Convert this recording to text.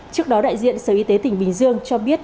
trước đó đại diện sở y tế tỉnh bình dương cho biết